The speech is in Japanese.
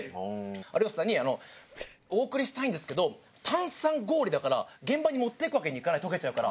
有吉さんにお贈りしたいんですけど炭酸氷だから現場に持っていくわけにいかない溶けちゃうから。